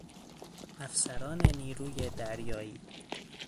افسران نیروی دریایی